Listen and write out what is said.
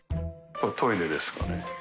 これトイレですかね？